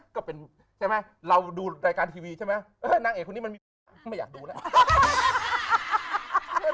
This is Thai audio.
ก็เป็นใช่ไหมเราดูรายการทีวีใช่ไหมเออนางเอกคนนี้มันมีปัญหาไม่อยากดูแล้ว